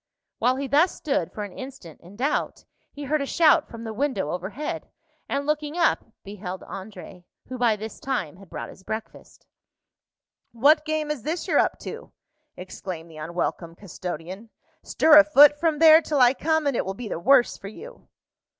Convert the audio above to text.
While he thus stood for an instant in doubt, he heard a shout from the window overhead, and looking up, beheld André, who by this time had brought his breakfast. "What game is this you're up to?" exclaimed the unwelcome custodian. "Stir a foot from there till I come, and it will be the worse for you."